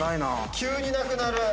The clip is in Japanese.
急になくなる。